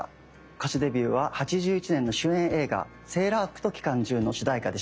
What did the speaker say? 歌手デビューは８１年の主演映画「セーラー服と機関銃」の主題歌でした。